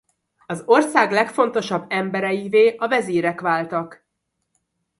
Az ország legfontosabb embereivé a vezírek váltak.